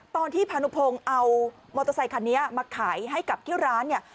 พานุพงศ์เอามอเตอร์ไซคันนี้มาขายให้กับที่ร้านเนี่ย